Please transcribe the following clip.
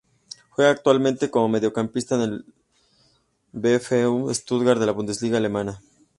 Juega actualmente como mediocampista en el VfB Stuttgart de la Bundesliga de Alemania.